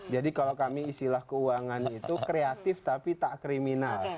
jadi kalau kami istilah keuangan itu kreatif tapi tak kriminal